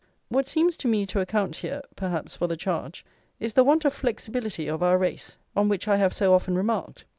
What seems to me to account here, perhaps, for the charge, is the want of flexibility of our race, on which I have so often remarked.